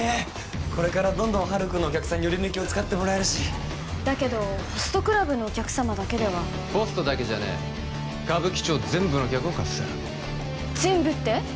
これからどんどんハルくんのお客さんにヨリヌキを使ってもらえるしだけどホストクラブのお客様だけではホストだけじゃねえ歌舞伎町全部の客をかっさらう全部って？